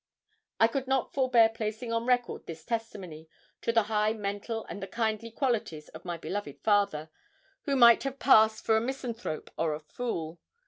I could not forbear placing on record this testimony to the high mental and the kindly qualities of my beloved father, who might have passed for a misanthrope or a fool.